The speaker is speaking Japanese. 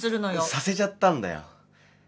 させちゃったんだよ。